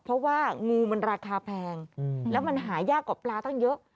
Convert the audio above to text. เพราะว่างูมันราคาแพงแล้วมันหายากกว่าปลาตั้งเยอะ